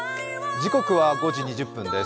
時刻は５時２０分です。